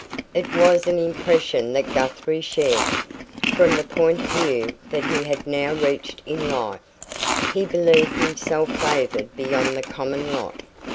It was an impression that Guthrie shared. From the point of view that he had now reached in life, he believed himself favoured beyond the common lot.